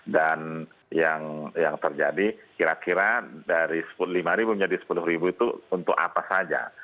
dan yang yang terjadi kira kira dari rp lima menjadi rp sepuluh itu untuk apa saja